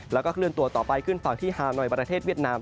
แล้วก็เคลื่อนตัวต่อไปขึ้นฝั่งที่ฮานอยประเทศเวียดนาม